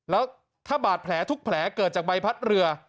แล้วถ้าบาดแผลทุกแผลเกิดจากใบพัดเรือ